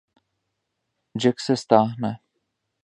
Jack se stáhne.